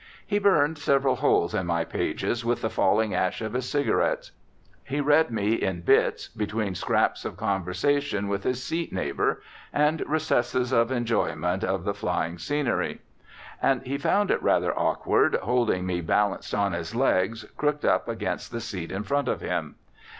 He burned several holes in my pages with the falling ash of his cigarettes. He read me in bits between scraps of conversation with his seat neighbour and recesses of enjoyment of the flying scenery. And he found it rather awkward holding me balanced on his legs crooked up against the seat in front of him.